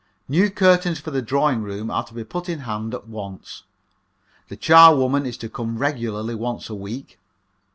New curtains for the drawing room are to be put in hand at once. The charwoman is to come regularly once a week.